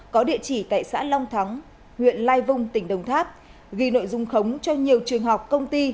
có địa chỉ tại xã long thắng huyện lai vung tỉnh đồng tháp ghi nội dung khống cho nhiều trường học công ty